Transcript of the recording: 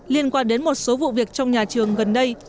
liên quan đến một số vụ việc trong nhà trường gần đây